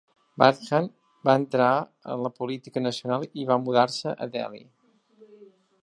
Bardhan va entrar en la política nacional i va mudar-se a Delhi.